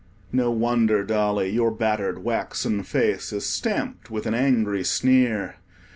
No wonder, Dolly, your battered waxen face is stamped with an angry sneer.